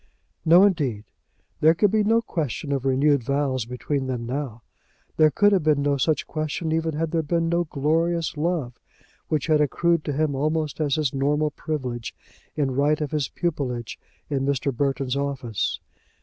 No, indeed. There could be no question of renewed vows between them now; there could have been no such question even had there been no "glorious love," which had accrued to him almost as his normal privilege in right of his pupilage in Mr. Burton's office.